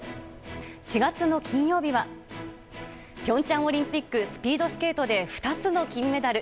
４月の金曜日は平昌オリンピックスピードスケートで２つの金メダル。